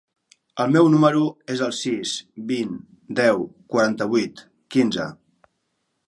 El meu número es el sis, vint, deu, quaranta-vuit, quinze.